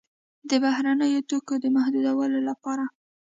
د بهرنیو توکو د محدودولو لپاره.